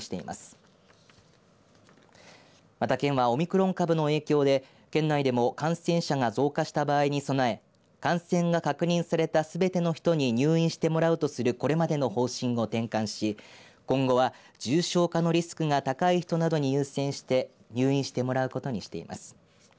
また県はオミクロン株の影響で県内でも感染者が増加した場合に備え感染が確認されたすべての人に入院してもらうとするこれまでの方針を転換し今後は重症化のリスクが高い人などに優先して入院してもらうことにしています。